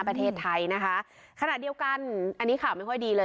ประเทศไทยนะคะขณะเดียวกันอันนี้ข่าวไม่ค่อยดีเลย